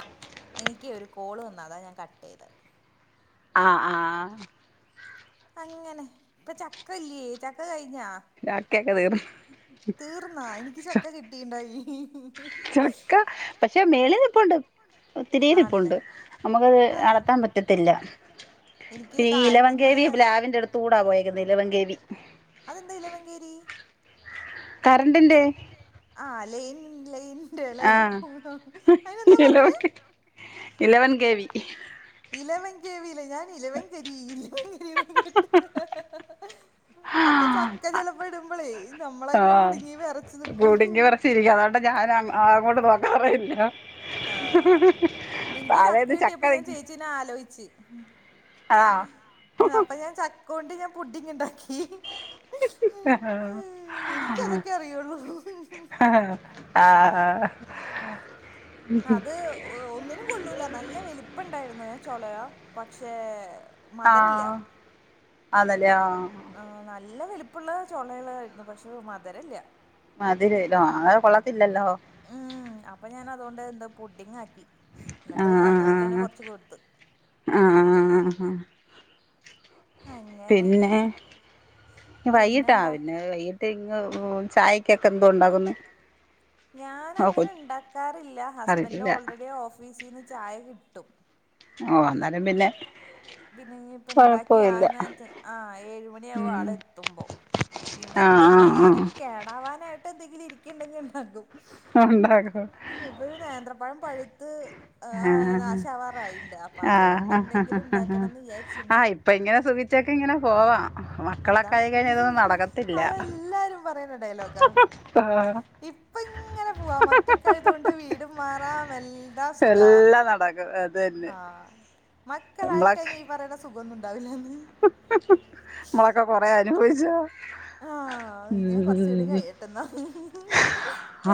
അ എനിക്ക് ഒരു കോള് വന്നു അതാ ഞാൻ കട്ട് ചെയ്ത് അ ആ അങ്ങനെ പ്പൊ ചക്കല്ലേ ചക്ക കയ്ഞ്ഞാ രാക്കിയൊക്കെ വരും തീർന്നാ എനിക്ക് ചക്ക കിട്ടിണ്ടായില ചക്ക പക്ഷെ മേളീന്നിപ്പൊണ്ട് ഒത്തിരി നിപ്പൊണ്ട് ആണല്ലേ നമുക്കത് ആഹ് അടത്താൻ പറ്റത്തില്ല എനിക്ക് പ്പെ ഇലവൻ താഴത്തുന്ന് കേവി പ്ലാവിന്റെ അടുത്ത് കൂടാ പോയേക്കുന്നത് ഇലവൻകവി അതെന്താ ഇലവങ്കേരി കറണ്ടിന്റെ ആ ലൈനിൻ ലൈനിന്റെലേ ആഹ് അയിന് എന്താ ഇലവൻ പറഞ്ഞേ ഇലവൻ കെ വി ഇലവൻ കവില്ല ഞാൻ ഇലവൻ കരി ഇലവൻ കരി ന്നാ കേട്ട് അപ്പൊ ചക്ക ചെലപ്പൊ ഇടുമ്പളേ നമ്മളയ്മ കുടുങ്ങി വെറച്ച് നിക്കും ശരിക്കും അതോണ്ട് ഞാൻ അങ്ങോട്ട് നോക്കാറേ ഇല്ല താഴെ ക്ക കിട്ടിയപ്പോ ഞാൻ ചേച്ചീനെ ആലോചിച്ച് ആഹ് അപ്പൊ ഞാൻ ച കൊണ്ട് ഞാൻ പുഡിങ്ങ് ണ്ടാക്കി എനിക്കതൊക്കെ അറിയുള്ളൂ ആ ഹാ ഹ അത് ഒന്നിനും കൊള്ളൂല നല്ല വലിപ്പണ്ടായിരുന്നു ചൊള പക്ഷേ മധുരല്ല അതല്ലേ ആ ആ നല്ല വലിപ്പൊള്ള ചൊളേളായിരുന്നു പക്ഷെ മധരല്ല മധിരേലൊ ആകെ കൊള്ളത്തില്ലല്ലോ ഉം അപ്പൊ ഞാൻ അതോണ്ട് എന്താ പുടിങ്ങ് ആക്കി ന്നിട്ട് തന്നോർക്കന്നെ കൊറച്ച് കൊടുത്ത് ആ ഹ അങ്ങനെ പിന്നെ വൈകിട്ടാ പിന്നെന്താ പിന്നെ വൈകിട്ട് ഇങ്ങ് ഛായ ചായക്കൊക്കെ എന്തോണ്ടാക്കുന്നു ഓ കൊ ഞാനങ്ങനെ ണ്ടാക്കാറില്ല ഹസ്ബൻഡ് അറിയില്ല ഓൾ റെഡി ഓഫ് ഫീസീന്ന് ചായ കിട്ടും ഓ അന്നാലും പിന്നെ പിന്നെ ഞ്ഞിപ്പൊ ണ്ടാക്കി ആ കൊഴപ്പമില്ല നേരത്ത് ആ ഏഴുമണിയാകും ഉം ആളെത്തുമ്പോ ആഹ് ആഹ് പിന്നെന്തെങ്കിലും ആഹ് കേടാവാനായിട്ട് എന്തെങ്കിലും ഇരിക്ക്‌ണ്ടെങ്കില് ഉണ്ടാക്കും ണ്ടാക്കും ഹ് വ് നേന്ത്ര പഴം പഴുത്ത് അഹ് ആഹ് നാശാവാറായിണ്ട് അപ്പൊ അതോണ്ട് എന്തെങ്കിലും ണ്ടാക അ ആ ഇപ്പൊ ഇങ്ങനെ സുഖിച്ചൊക്കെ ഇങ്ങനെ പോവാ മക്കളൊക്കെ അതാണ് ആയി കഴിഞ്ഞൽ ഇതൊന്ന് നടക്ക അതെല്ലാരും പറയുന്ന ഡയലോഗാ ആഹ് ഇപ്പൊങ്ങനെ പോവാ ഒറ്റക്കായതുകൊണ്ട് വീടും മാറാമൽ ന്താ സുഖാ എല്ലാം നടക്കും അത് തന്നെ ആ മക്കളായി കഴിഞ്ഞ ഈ പറേണ സുഖൊന്നുണ്ടാവില്ലാന്ന് മ്മളൊക്കെ കൊറേ അനുഭവിച്ചോ ആ ഞാൻ കൊറച്ചുടെ കഴിയട്ടെന്നാ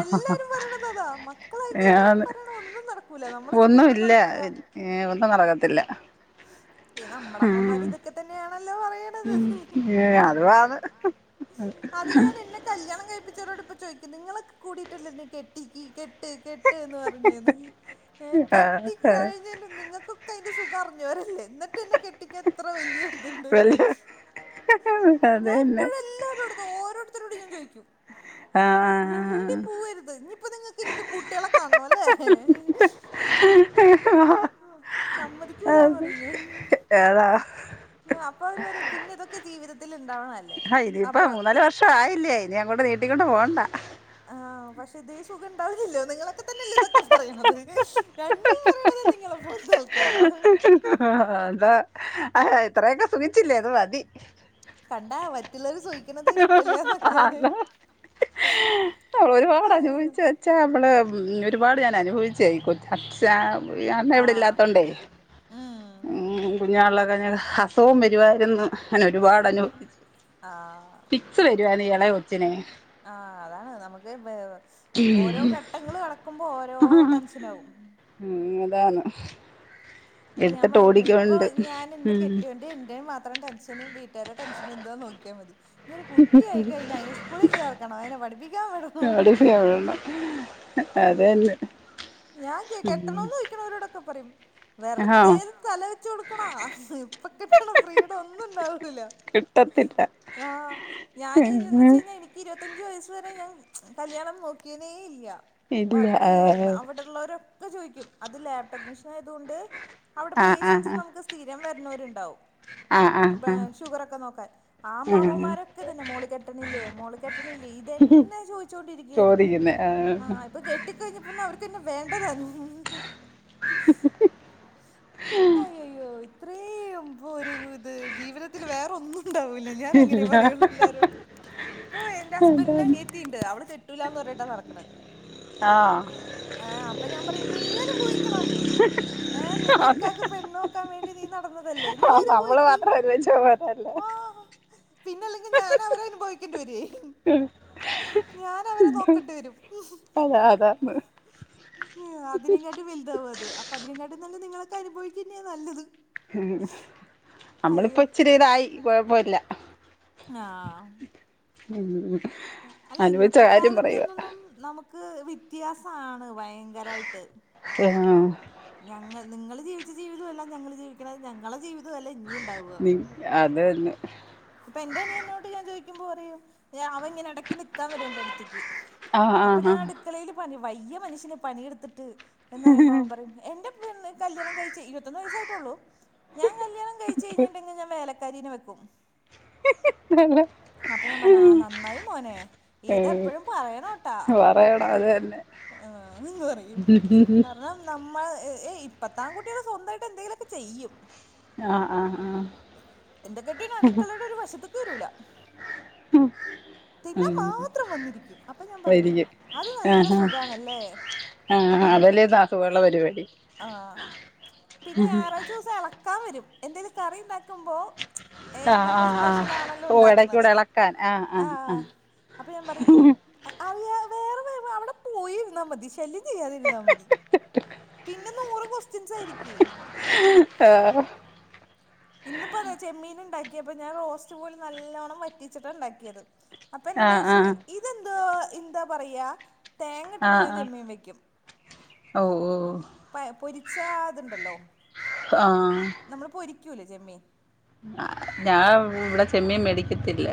എല്ലാരും പറയണത് അതാ ക്കളായി കഴിഞ്ഞ ഈ ഏന്ന് പറയണ ഒന്നും നടക്കൂല. നമ്മള ഇഷ്ടങ്ങളും ഒന്നുമില്ല നടക്കൂല. ഏ ഒന്നും നടകത്തില്ല. പി നമ്മുടെ അമ്മമാർ ഇതൊക്കെ തന്നെയാണല്ലോ പറയണത്. ഹേ അത് വാണ് അത് ഞാൻ എന്നെ കല്യാണം കഴിപ്പിച്ചവരോട് ഇപ്പ ചോദിക്കും നിങ്ങളകെകൂടിയിട്ടല്ലെ ന്നെ കെട്ടി കെട്ട് ട്ട്ന്ന് പറഞ്ഞന്ന് ഏ ആ ആ കെട്ടിക്കഴിഞ്ഞ നിങ്ങക്കൊക്കെ അയിന്റെ സുഖർ ഞ്ഞോരേല്ലേ ന്നിട്ട്ന്നെ കെട്ടിക്കാ ത്രവല്യ ഇതുണ്ടോയ് വല്യ ഞാൻ അതന്നെ ഇപ്പോഴും എല്ലാരുംടുത്ത് ഓരോരുത്തരോടും ഞാൻ ചോയിക്കും. ആ മിണ്ടി പോവരുത് ഇഞ്ഞ്യിപ്പോ നിങ്ങക്ക് ഇന്ക്ക് കൂട്ടികളെ കാൺണോല്ലേ? [unintelligible] ഓ സമ്മതി [unintelligible] അതെ ഏതാ അപോ അവര് പറയും പിന്നെ ഇതൊക്കെ ജീവിതത്തി ഉണ്ടാവണല്ലേ? ആഹ് ഇയിപ്പപ്പോ അപ്പൊ മൂന്നാല് വർഷ ആയില്ലേ? ഇനി അങ്ങോട്ട് നീട്ടിക്കൊണ്ട് പോകണ്ട. ആഹ് പക്ഷെ ഇതേ സുഖം ഉണ്ടാവില്ലല്ലോ? നിങ്ങളൊക്കെ തന്നെയല്ലേ ഇതൊക്കെ പറയണത്. രണ്ടും പറയണത് നിങ്ങളെ പോലത്തെ ആൾക്കാരാ. അതാ ആ ഇത്രയൊക്കെ സുഖിച്ചില്ലേ അത് മതി. കണ്ടാ മറ്റുള്ളവർ സുയിക്ക [unintelligible] ഒരുപാട് അയ്യോ അനുഭവിച്ച വെച്ചാ. നമ്മള് ഒരുപാട് ഞാൻ അനുഭവിച്ചയി കൊ അച്ഛാ ആ യന്ന്ഇവിടെ ഇല്ലാത്തോണ്ടേ ഉം ഉും കുഞ്ഞങ്ങളൊക്കെ അസുഖവും വരുവായിരുന്നു അങ്ങനെ ഒരുപാട് അനുഭവിച്ചു ആഹാ ഫിക്സ് വെരുവായിരുന്നു ഇളയ കൊച്ചിന് ആഹ് അതാണ് നമുക്ക് ഓരോ ഘട്ടങ്ങൾ കടക്കുമ്പോൾ ഓരോ ടെൻഷൻ ആകും. ഉം അതാണ് ഇപ്പ ഞാൻ എടുത്തിട്ട് പറയും ഇപ്പൊ ഓടിക്കൊണ്ട് ഞാൻ എന്റെ ഉം കെട്ടിയോണ്ട് എന്റെ മാത്രം ടെൻഷൻ വീട്ടിരേ ടെൻഷന് എന്തുവാന്ന് നോക്കിയാമതി ഞ്ഞിഒരു കുട്ടിയായിയി കഴിഞ്ഞ അതിനെ സ്കൂളിൽ ചേർക്കണം അതിനെ പഠിപ്പിക്കാൻ വിടണം [unintelligible] അതന്നെ ഞാൻ തെ കെട്ടണന്ന് ചോദിക്കണവരോടൊക്കെ പറയും വെറുതെ ആഹ് തല വെച്ചു കൊടുക്കണ ഇപ്പൊ കിട്ടണ ഫ്രീഡം ഒന്നും ഉണ്ടാവൂില്ല. കിട്ട ആഹ് ഞാന് ഇന്ന് വച്ചകഴിഞ്ഞ എനിക്ക് ഇരുപത്തഞ്ച് വയസ്സ് വരെ ഞാൻ കല്യാണം നോക്കിയതേ ഇല്യ ഇല്ല വർക്ക് ചെയാരുന്നു ആഹ് വടെ ഉള്ളരൊക്കെ ചോയിക്കും അത് ലാബ് ടെക്നീഷ്യൻ ആയതുകൊണ്ട് അവിടെ ആഹ് പേഷ്യൻസ് ആഹ് നമുക്ക് സ്ഥീരം വര്ണോരുണ്ടാവും ആഹ് ആഹ് ആഹ് ഷുഗറോക്കെ നോക്കാൻ ആ ആഹ് അമ്മമാരൊക്കെ തന്നെ മോള് കെട്ടണില്ലേ? മോള് കെട്ടണില്ലേ? ഇതെന്നെ ചോദിച്ചോൊണ്ടിരിക്കുകയായിരുന്നു. ത് തന്നെ ആഹ് കെട്ടി കഴിഞ്ഞപ്പോന്ന അവർക്ക്ന്നെ വേണ്ടതന്നും ഹയ ഹയ്യോ ഇത്രയും പോ ഒരു ഇത് ജീവിതത്തിൽ വേറൊന്നും ഇല്ല ഉണ്ടാവൂല്ല ഞാൻ അങ്ങനെ പറയുള്ളൂ എല്ലാരോടും പോ എന്റെ ഹസ്ബൻ്റിൻ്റെ അതാണ് അനിയതി ണ്ട് അവൾ കെട്ടൂല്ല എന്ന് പറഞ്ഞട്ടാ നടക്ക്ണ ആഹ അപ്പൊ ഞാൻ പറയും നീ അനുഭവിക്കണം ഏഹ് നിന്റെ ആഹ് ഇക്കാക്ക് പെണ്ണ് നോക്കാൻ വേണ്ടി നീ നടന്നതല്ലേ നീ അതെ നമ്മള് അനുഭവിക്ക് മാത്രം അനുഭവിച്ച പോരാ. അല്ലേ? ആഹ് പിന്നെ അല്ലെങ്കിൽ ഞാൻ അവരെ അനുഭവിക്കേണ്ടി വരുവേ ഞാൻ അവരെ നോക്കേണ്ടി വരും അത അതാണ്. ഉ അതിനേക്കാട്ടും വലുതാവും അത് അപ്പൊ അതിനെകാട്ടി നല്ല നിങ്ങളൊക്കെ അനുഭവിക്കന്നെയാ നല്ലത്. ഉം നമ്മളിപ്പോ അയ്യോ ഇച്ചിരി ഇതായി കുഴപ്പില്ല ആഹ് [unintelligible] അല്ല അനുഭവിച്ച ഇന്നത്തെ കാര്യം പറയുവാ കാലത്തന്നൊന്നും നമുക്ക് വ്യത്യാസാണ് ഭയങ്കരായിട്ട് ആഹ് ഞങ്ങൾ നിങ്ങളൾ ജീവിച്ച ജീവിതവും അല്ല ഞങ്ങൾ ജീവിക്കണ ഞങ്ങളെ ജീവിത ഇതു അല്ല ഇനിയുണ്ടാകുക നി അത് തന്നെ ഇപ്പൊ എന്റെ അനിയ എന്നോട് ഞാ ചോദുമ്പോ പറയും അവ ഇങ്ങനെ ഇടയ്ക്ക് നിത്താൻ വരണ്ട അടുത്തേക്ക് ആഹ് അപ്പൊ ആഹ് ഞാൻ അടുക്കളയില് പ വയിയ മനുഷ്യന് പണിയെടുത്തിട്ട് എന്ന് പറയുമ്പ അവൻ പറയും എന്റെ കല്യാണം കഴിച്ച് ഇരുത്തൊന്ന് വയസ്സായിട്ടുള്ളൂ ഞാൻ കല്യാണം കഴിച്ച കഴിഞ്ഞട്ടുെങ്കിൽ ഞാൻ വേലക്കരിന് വെക്കും ഹ് ഹ് [unintelligible] അപ്പൊ ഞാൻ പറഞ്ഞ ആ നന്നായി മോനെ ആഹ് ഇതെപ്പഴും പറയണോട്ടാ പറയണം അത് തന്നെ ആഹ് ഉം എന്ന് പറയും പറ നമ്മൾ ഇപ്പത്താം കുട്ടികൾ സ്വന്തമായിട്ട് എന്തെങ്കിലുമൊക്കെ ചെയ്യും ആഹ് ആഹ് ആഹ് എന്റെ കെട്ടിയോൻ അടുക്കളയുടെ ഒരു വശത്തക്ക് വരൂല ഉം തിന്നാൻ ഉം മാത്രം വന്നിരിക്കും അപ്പൊ ഞാൻ പറയും വരികും അത് ഹാ നല്ല ഹാ സുഖാണല്ലേ ആ ആഹ് എന്ന് ചോദിക്കും അതലതാക്കുവുള്ള പരിപാടി ആഹ് പിന്നെ ഞായറാഴച്ച ദിവസം ഇളക്കാൻ വരും എന്തേും കറി ഉണ്ടാക്കുമ്പോ ഏയ് ആഹ് നമ്മൾ ആഹ് ആഹ് സ്പെഷ്യൽലാണല്ലോ ഓ ഉണ്ടാക്കണത് ഇടയ്ക്കൂടെ ഇളക്കാൻ ആഹ് ആ ആഹ് ആഹ് അപ്പൊ ഞാൻ പറയും അറിയാ വേറെ വ അവിടെ പോയിരുന്നാ മതി ശല്യം ചെയ്യാതിരുന്നാ മതി പിന്നെ നൂറ് ക്വസ്റ്റ്യൻസ് ആയിരിക്കി ആ ഇന്നിപ്പോ ചെമ്മീൻ ഉണ്ടാക്കിയപ്പപ്പോ ഞാൻ റോസ്റ്റ് പോലെ നല്ലോണ്ണം വറ്റിച്ചിട്ടാ ഉണ്ടാക്കിയത് അപ്പൊ എന്നോട് ആഹ് ചോയ്ച്ച് ആഹ് ഇതെന്താ എന്താ പറയാ തേങ്ങ ഇട്ടിട്ട് ആഹ് ഞാൻ ആഹ് ചമ്മീൻ വെക്കും ഓ ഓ പ പൊരിച്ചതുണ്ടല്ലോ ആഹ് നമ്മൾ പൊരിക്കൂലേ ചെമ്മീൻ ഞാൻ ഇവിടെ ചെമ്മീ മേടിക്കത്തില്ല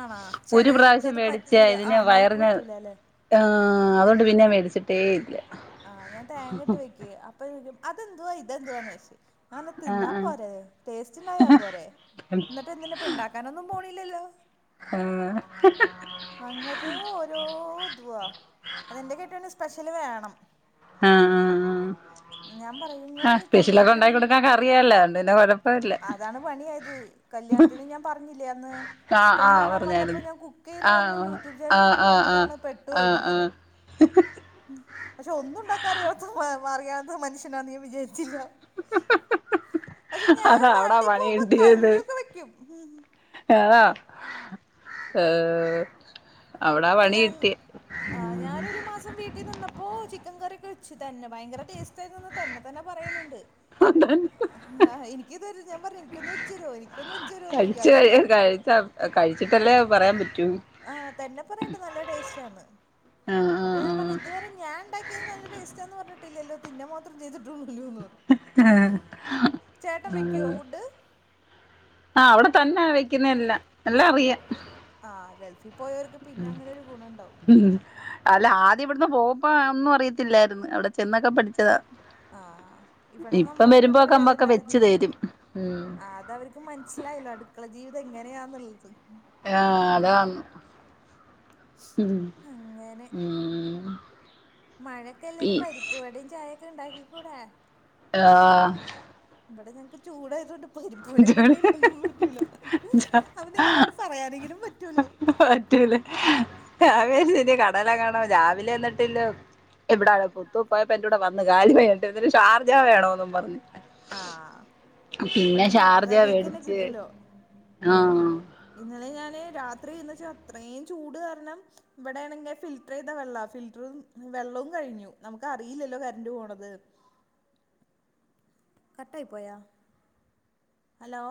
ആണാ ഒരു ചെലോർക്ക് പ്രാവശ്യം അത് മേടിച്ച പറ്റൂല ആ ഇതിന് മോൾക്ക് വയറിന് പറ്റൂല ല്ലേ ആ അതുകൊണ്ട് പിന്നെ മേടിച്ചിട്ടേ ഇല്ല മ്ഹ് അപ്പചോയ്ക്കും അതെന്തുവാ തെന്തുവാന്ന് ചോയ്ച്ച് പേ ആ തിന്നാ ആ പോരെ ടസ്റ്റ് ഉണ്ടായാ പോരെ എന്നിട്ട് എന്തിനപ്പണ്ടാക്ക കനാനൊന്നും പോണില്ലല്ലോ ആഹ് ഹ് ഹ് അങ്ങത് ഓരോ ഇതുവാ അതെന്റെറെ കേട്ട സ്പെഷ്യല് വേണം ആഹ് ആ ആ ഞാൻ പറയങ്ങള് ഇങ്ങള് സ്പെഷ്യലൊക്കെ കല്യാണത്തിനന് ഉണ്ടാക്കി മുന്ന കൊടുക്കാൻ കറിയല്ല അതുകൊണ്ട് പിന്നെ കൊഴപ്പമില്ല അതാണ് പണിയ ആയത് കല്യാണത്തിന് ഞാൻ പറഞ്ഞില്ലേ അന്ന് ആ ആ പെണ്ണ് കാണാ വന്നപ്പോൾ പറഞ്ഞായിരുന്നു ഞാൻ കുക്ക് ചെയ്യന്ന് ആ പറഞ്ഞു യൂട്യൂബ് ചാനൽ ഉണ്ടെന്ന് പറഞ്ഞതാണ് പെട്ടുപോയത് ആഹ് ഹ് ഹ് [inaudible] പക്ഷെ ഒന്നും ഉണ്ടാക്കാറിയാത്ത മാറിയാത്ത മനുഷ്യനാ നാൻ വിജയിത്തില്ല പക്ഷെ ഞാൻ അതാ അവിടാ നാട്ടിൽ പണി പോകുമ്പോ കഞ്ഞൊക്കെ വെക്കും ഉം ആ ഈഹ് പ്പഞാൻ ആ ഞാനൊരു മാസം വീട്ടിൽ നിന്നപ്പോ ചിക്കൻ കറി ഒക്കെ വെച്ചു തന്നെ ഭയങ്കര ടേസ്റ്റ് ന്ന് തന്നെ തന്നെ പറയുന്നുണ്ട് കിട്ടിയ ആഹ് എനക്ക്ത് തരു ഞാൻ പറഞ്ഞു എനിക്കൊന്ന് വെച്ച് തരുമോ എനിക്കൊന്ന് വെച്ച് തരുമോന്ന് നോക്കിക്കാ അതില്ല കഴ കഴിച്ചിട്ടല്ലേ പറയാൻ പറ്റൂ ആഹ തെന്നപ്പറണ്ട് നല്ല ടേസ്റ്റ് ആന്ന് ആഹ് അപ്പൊ ഞാൻപറഞ്ഞു ആഹ് ഇതുവരെ ഞാ ഉണ്ടാക്കിയത് നല്ല ടേസ്റ്റ്ന്ന് പറഞ്ഞിട്ടില്ലല്ലോ ന്നെ മാത്രം ചെയ്തിട്ടുണ്ടല്ലോന്ന് പറിമം ആഹ് ചേട്ടൻ വെക്കുവോ ഫുഡ് ആ അവിടെ തന്നെയ വെക്കുന്ന എല്ലാം എല്ലാം അറിയാം ആഹ് ഗൾഫിൽ പോയവർക്ക് പിന്നെ അങ്ങനെ ഒരു ഗുണം ഉണ്ടാവും ഉം അല്ല ആദ്യം ഇവിടന്ന് പോവുമ്പോ ഒന്നും അറിയത്തില്ലായിരുന്നു അവിടെ ചെന്നൊക്കെ പഠിച്ചതാ ആഹ് ഇവിടെ നമ്മ ഇപ്പം വരുമ്പോക്കെ മ്മൊക്കെ വെച്ചു തെരും ആ അതവർക്ക് മനസ്സിലായില്ലോ അടുക്കള ജീവിതം എങ്ങനെയാന്നുള്ളത് ആ അതാണ് ഉം ഉം മഴൊക്കെല്ലെ പി ല്ലരു പരിപ്പ് വടയും ചായക്കെ ഉണ്ടാക്കി കൂടേ ആഹ് ഇവിടെ ഞങ്ങക്ക് ചൂടായതോണ്ട് [unintelligible] പറ്റും ജോലി പറ്റല അപ്പൊ നിങ്ങളോട് പറയാനെങ്കിലും പറ്റൂലോ [unintelligible] രാവിലെ തന്നെ കടല് കാണോ രാവിലെ ന്നിട്ടില്ലോ എവിടാണ പുറത്ത് പോയപ്പോ എന്റെ കൂടെവന്ന് കാടിവേണ്ടന്ന് ഷാർജ വേണോന്നും പറഞ്ഞു ആ വിടെ ഷാർജ ഷാർജാശയ്ക്ക്ന്നെ മേടിച്ച് കിട്ടൂലോ ആഹ് ഇന്നലെ ഞാന് രാത്രി എന്ന്ച്ച അത്രയും ചൂട് കാരണം ഇവിടെണെങ്കിൽ ഫിൽറ്റർ ചെയ്താ വെള്ള ഫിൽറ്ററും വെള്ളം കഴിഞ്ഞു നമുക്ക് അറിയില്ലല്ലോ കറൻ്റ് പോണത് കട്ടായിപ്പോയോ? ഹലോ...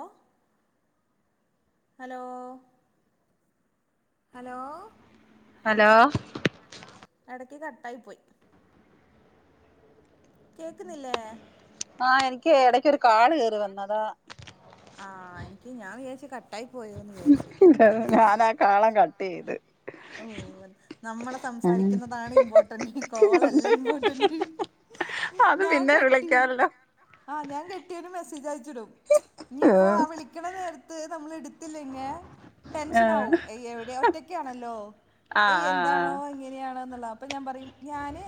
ഹലോ ഹലോ ഹലോ.... എടക്ക് കട്ടായി പോയി കേക്കുന്നില്ലേ ആ എനിക്ക് എടക്കരു കാൾ കേറി വന്നതാ ആ നിക്ക് ഞാൻ വിചാരിച്ച കട്ട കട്ടായി പോയോന്ന് വിജാർച്ച് ഞാൻ ആ കാളം കട്ട് ചെയ്ത് ഓ നമ്മളെ ഉം സംസാരിക്കുന്നതാണ് ഇമ്പോർട്ടന്റ് കോളല്ല ഇമ്പോർട്ടന്റ് അത് ഞാൻ പിന്നെ കെട്ടി വിളിക്കാല്ലോ ആ ഞാൻ കെട്ടയാന് മെസ്സേജ് അയച്ചിടും ഞിപ്പോ ആഹ് ആ വിളിക്കണ നേരത്ത് നമ്മൾ എടു [unintelligible] ടെൻഷനാവും ആഹ് എവിടെയ ഒറ്റക്കാണല്ലോ ഏയ് എന്താണോ എങ്ങനെയാണോ എന്നുള്ളത് അപ്പൊ ഞാൻ പറയും ഞാന്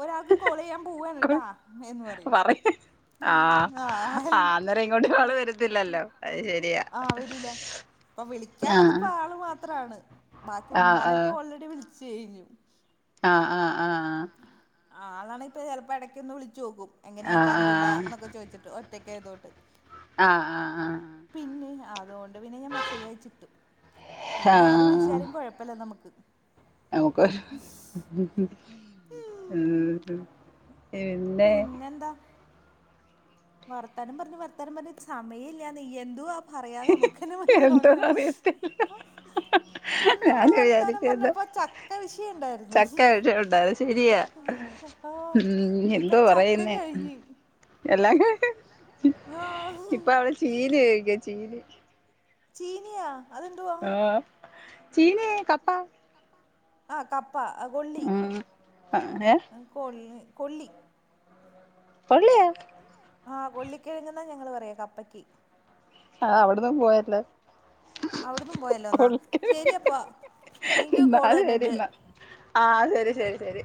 ഒരാൾക്ക് കോൾ ചെയ്യാൻ ആഹ് പോവാണട്ടാ എന്ന് പറയും പറയ് ആഹ് ആ ആഹ് അന്നേരം ങ്ങോട്ട ആള് വരത്തില്ലല്ലോ അത് ശരിയാ പ്പൊ ആഹ് വിളിക്കാനുള്ളത്പ്പ ആള് മാത്രാണ് ബാക്കി ആഹ് ഉമ്മാനൊക്കെ ഓൾറെഡി വിളിച്ചു കഴിഞ്ഞു ആ -ആ -ആ- ആളാണ്പ്പൊ ചെിലപ്പോ ഇടക്കൊന്ന് വിളിച്ചു നോക്കും എങ്ങനെ ആഹ് കറണ്ട്ണ്ടാ എന്നൊക്കെ ചോദിച്ചിട്ട് റ്റൊക്കെയതോണ്ട് ആഹ ആഹ ആഹ പിന്നെ അതുകൊണ്ട് പിന്നെ ഞാൻ മെസ്സേജ് അയച്ചിട്ടു ആഹ് പിന്നെ ആര് ആഹ് വിളിച്ചാലും കുഴപ്പല്ല നമുക്ക് നമുക്ക് പിന്നെ പിന്നെന്താ വർത്താനം പറഞ് വർത്താനം പറഞ് സമയല്ലാന്ന് എന്തുവാ പറയാതെ നമുക്ക്ന്നെ എന്തോന്ന് അറിയത്തില്ല [unintelligible] അന്നമ്മള് ഞാന് വർത്താനം വിചാരിക്കുന്ന് പറഞ്ഞപ്പോ ചക്ക വിഷയണ്ടായിരുന്നു ചക്ക വിഷയമുണ്ട് അത് ശരിയാ ഉം ആ എന്തോ ചക്കിം പറയുന്നേ കഴിഞ്ഞി എല്ലാം ആഹ ചെയക ജീവി ചീനിയോ ആ ചീനി കപ്പ ആ കപ്പ ആ കൊള്ളി ഉം ഏ കൊള്ളി കൊള്ളി കൊള്ളയേ ആഹ കൊള്ളിക്കഴഞ്ഞന്നാ ഞങ്ങള് പറയാ കപ്പക്ക് ആഹ അവിടന്നും പോയല്ല അവിടന്നും പോയല്ലോ എന്നാ ശെരിയപ്പ എനിക്ക് കോള് തന്നണ്ട് ആഹ ശരി ശരി ശരി